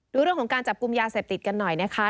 ดูเรื่องของการจับกลุ่มยาเสพติดกันหน่อยนะคะ